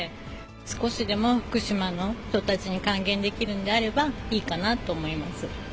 少しでも福島の人たちに還元できるんであれば、いいかなと思いま